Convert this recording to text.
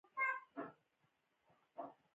د دواړو جوړښت په روښانه ډول لیدل کېږي